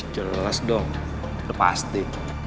jelas dong sudah pasti